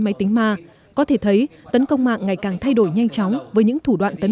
máy tính ma có thể thấy tấn công mạng ngày càng thay đổi nhanh chóng với những thủ đoạn tấn